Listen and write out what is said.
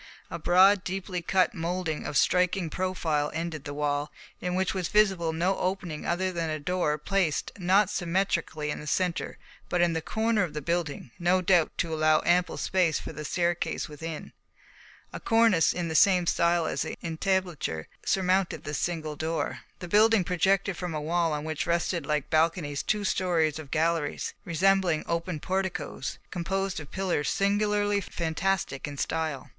A broad, deeply cut moulding of striking profile ended the wall, in which was visible no opening other than a door placed, not symmetrically in the centre, but in the corner of the building, no doubt to allow ample space for the staircase within. A cornice in the same style as the entablature surmounted this single door. The building projected from a wall on which rested like balconies two stories of galleries, resembling open porticoes, composed of pillars singularly fantastic in style.